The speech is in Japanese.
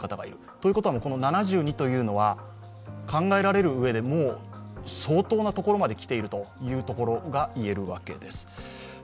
ということは７２というのは考えられる上でもう相当なところまできているということが見えるわけです。